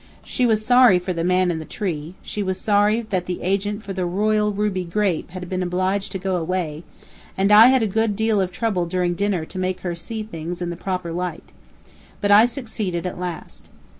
She was sorry for the man in the tree; she was sorry that the agent for the Royal Ruby grape had been obliged to go away; and I had a good deal of trouble during dinner to make her see things in the proper light. But I succeeded at last.